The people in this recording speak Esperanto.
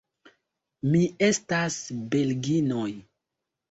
Mi estas belginoj.